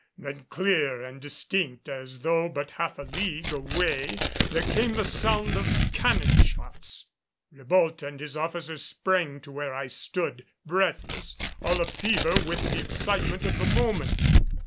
Then clear and distinct as though but half a league away there came the sound of cannon shots! Ribault and his officers sprang to where I stood, breathless, all a fever with the excitement of the moment.